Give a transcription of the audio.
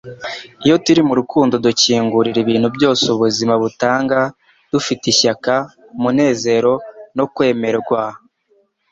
Iyo turi mu rukundo, dukingurira ibintu byose ubuzima butanga dufite ishyaka, umunezero, no kwemerwa.”